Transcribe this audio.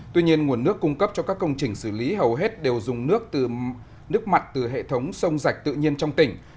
tuy nhiên nguồn nước cung cấp cho các công trình xử lý hầu hết đều dùng nước từ nước mặn từ hệ thống sông rạch tự nhiên trong tỉnh